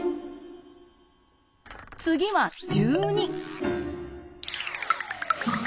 次は１２。